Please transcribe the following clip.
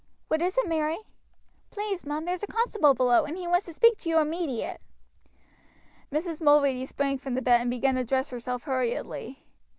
"What is it, Mary?" "Please, mum, there's a constable below, and he wants to speak to you immediate." Mrs. Mulready sprang from the bed and began to dress herself hurriedly.